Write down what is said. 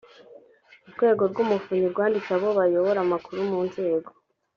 urwego rw umuvunyi rwandikiye abo bayobora amakuru mu nzego